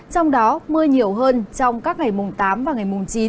trong đó mưa nhiều hơn trong các ngày mùng tám và ngày mùng chín